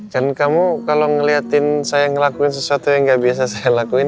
kan kamu kalau ngeliatin saya ngelakuin sesuatu yang gak biasa saya lakuin